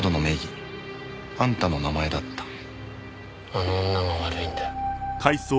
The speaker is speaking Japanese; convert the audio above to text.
あの女が悪いんだよ。